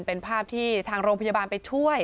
เป็นภาพที่ทางโรงพยาบาลไปช่วย